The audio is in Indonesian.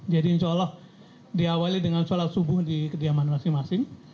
jadi insya allah diawali dengan surat subuh di kediaman masing masing